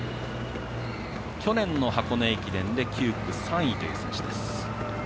去年の箱根駅伝で９区３位という選手です。